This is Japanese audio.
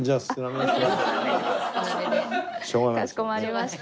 かしこまりました。